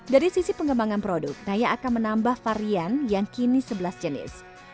dari sisi pengembangan produk naya akan menambah varian yang kini sebelas jenis